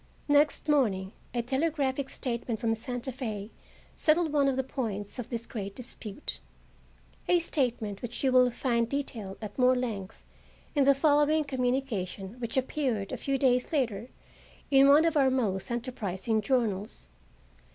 Next morning a telegraphic statement from Santa Fe settled one of the points of this great dispute, a statement which you will find detailed at more length in the following communication, which appeared a few days later in one of our most enterprising journals.